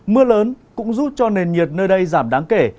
mưa lớn cũng giúp cho nền nhiệt nơi đây giảm đáng kể